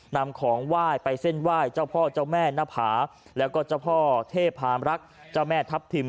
นำของว่ายไปเส้นว่ายเจ้าพ่อเจ้าแม่นภาแล้วก็เจ้าพ่อเทพธรรมรักเจ้าแม่ทัพทิม